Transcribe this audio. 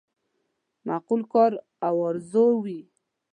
معقول کار او آرزو وي.